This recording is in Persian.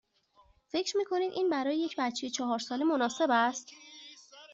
فکر می کنید این برای یک بچه چهار ساله مناسب است؟